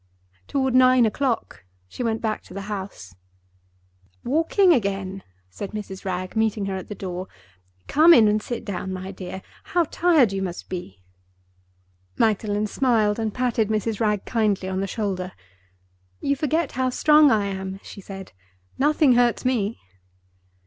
Toward nine o'clock she went back to the house. "Walking again!" said Mrs. Wragge, meeting her at the door. "Come in and sit down, my dear. How tired you must be!" Magdalen smiled, and patted Mrs. Wragge kindly on the shoulder. "You forget how strong I am," she said. "Nothing hurts me."